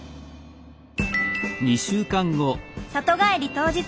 里帰り当日。